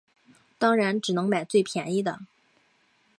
当然只能买最便宜的